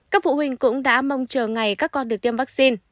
các phụ huynh cũng đã mong chờ ngày các con được tiêm vắc xin